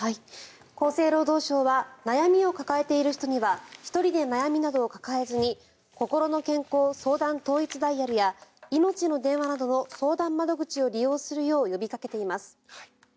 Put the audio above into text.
厚生労働省は悩みを抱えている人には１人で悩みなどを抱えずにこころの健康相談統一ダイヤルやいのちの電話などの相談窓口を利用するよう呼びかけています。